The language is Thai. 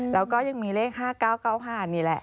แล้วก็ยังมีเลข๕๙๙๕นี่แหละ